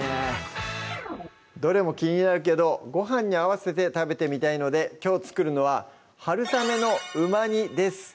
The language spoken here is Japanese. どれも気になるけどごはんに合わせて食べてみたいのできょう作るのは「春雨のうま煮」です